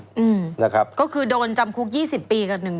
อืมนะครับก็คือโดนจำคุกยี่สิบปีกับหนึ่ง